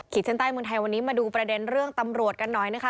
เช่นใต้เมืองไทยวันนี้มาดูประเด็นเรื่องตำรวจกันหน่อยนะคะ